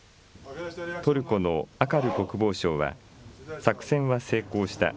トルコのアカル国防相は、作戦は成功した。